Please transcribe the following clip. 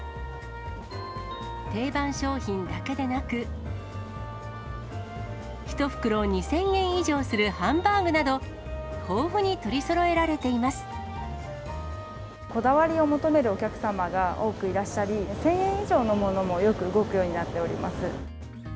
定番商品だけでなく、１袋２０００円以上するハンバーグなど、豊富に取りそろえられてこだわりを求めるお客様が多くいらっしゃり、１０００円以上のものも、よく動くようになっております。